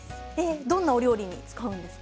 どんなお料理に使うんですか？